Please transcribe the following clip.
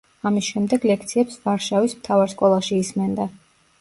ამის შემდეგ ლექციებს ვარშავის მთავარ სკოლაში ისმენდა.